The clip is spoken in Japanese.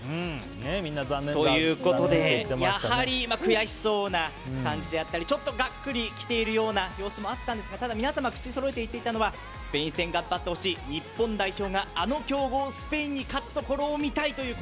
やはり悔しそうな感じであったりちょっとがっくりきているような様子もあったんですがただ皆さん口そろえて言っていたのはスペイン戦、頑張ってほしい日本代表があの強豪スペインに勝つところを見たいという